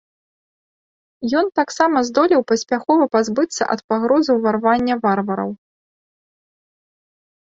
Ён таксама здолеў паспяхова пазбыцца ад пагрозы ўварвання варвараў.